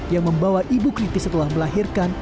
yang membawa ibu kritis setelah melahirkan